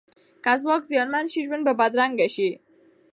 که ځواک زیانمن شي، ژوند به بدرنګ تیر شي.